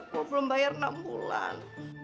gue belum bayar enam bulan